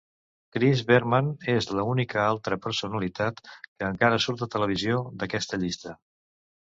Chris Berman és l'única altra personalitat que encara surt a televisió d'aquesta llista.